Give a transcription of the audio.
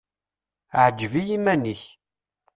Ɛǧeb i yiman-ik.